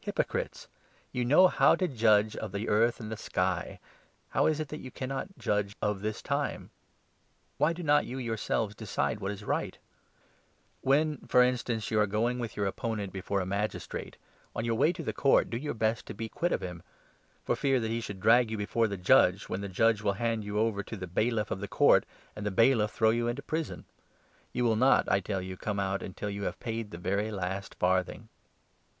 Hypocrites! You know how to 56 judge of the earth and the sky; how is it, then, that you cannot judge of this time ? Why do not you yourselves decide 57 The what is right ? When, for instance, you are going 58 Settlement with your opponent before a magistrate, on your or Disputes. wav to the court do your best to be quit of him ; for fear that he should drag you before the judge, when the judge will hand you over to the bailiff of the court, and the bailiff throw you into prison. You will not, I tell you, come 59 out until you have paid the very last farthing."